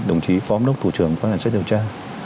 đồng chí phó âm đốc thủ trưởng khoa hành xét điều tra